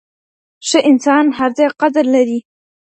ښه انسان هر ځای قدر لري